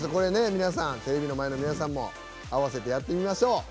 テレビの前の皆さんも合わせてやってみましょう。